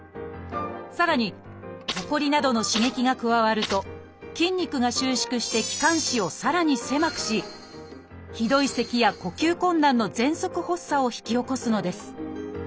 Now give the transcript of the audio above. さらにほこりなどの刺激が加わると筋肉が収縮して気管支をさらに狭くしひどいせきや呼吸困難のぜんそく発作を引き起こすのです。